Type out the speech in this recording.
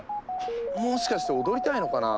もしかして踊りたいのかな？